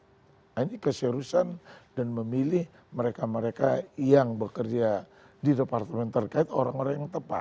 nah ini keseriusan dan memilih mereka mereka yang bekerja di departemen terkait orang orang yang tepat